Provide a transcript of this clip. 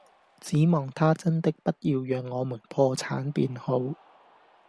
只望他真的不要讓我們破產便好！